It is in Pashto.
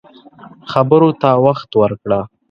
خبرو ته وخت ورکړه